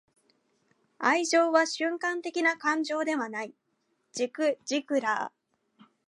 愛情は瞬間的な感情ではない.―ジグ・ジグラー―